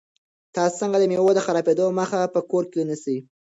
تاسو څنګه د مېوو د خرابېدو مخه په کور کې نیسئ؟